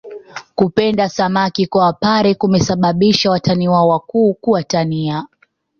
Kupenda samaki kwa wapare kumesababisha watani wao wakuu kuwatania